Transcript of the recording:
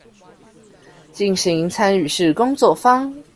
進行參與式工作坊